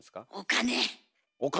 お金。